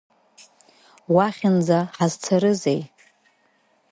Уахьынӡа ҳазцарызеи…